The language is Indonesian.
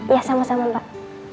ya sama sama mbak